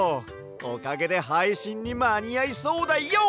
おかげではいしんにまにあいそうだＹＯ！